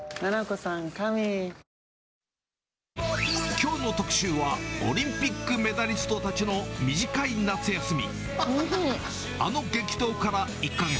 きょうの特集は、オリンピックメダリストたちの短い夏休み。